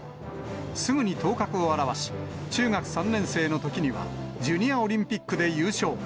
すぐに頭角を現し、中学３年生のときには、ジュニアオリンピックで優勝。